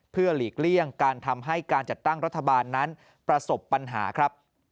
เพื่อหลีกเลี่ยงการทำให้การจัดตั้งรัฐบาลนั้นประสบปัญหาครับ